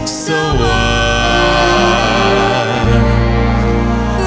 รักทั้งหมุนทั้งหมุน